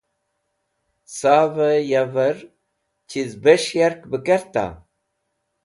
Savẽ yavẽr chiz bes̃h yark bẽ kerta?